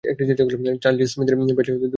Charlie স্মিথের পিতা James দুইবার বিবাহ করেন।